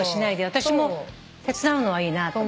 私も手伝うのはいいなと。